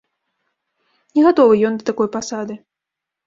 Не гатовы ён да такой пасады.